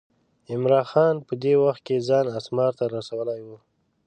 عمرا خان په دې وخت کې ځان اسمار ته رسولی و.